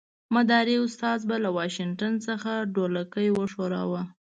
مداري استاد به له واشنګټن څخه ډولکی وښوراوه.